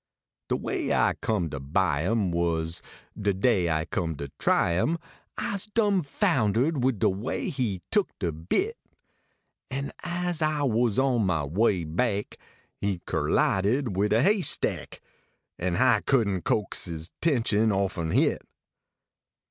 De way I come to buy im Was, de day I come to try im Lse dumb foundered wid de way he tuk de bit. An as I was on mah way baik, He kerlided wid a hay stack, An hi couldn t coax is tenshun offen hit.